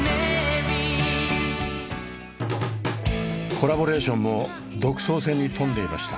コラボレーションも独創性に富んでいました。